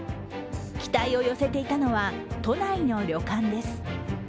期待を寄せていたのは都内の旅館です。